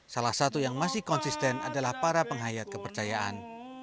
salah satu yang masih konsisten adalah para penghayat kepercayaan